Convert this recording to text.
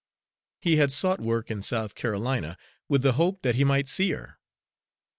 He had sought work in South Carolina with the hope that he might see her.